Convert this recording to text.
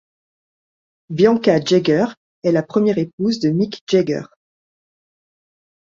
Bianca Jagger est la première épouse de Mick Jagger.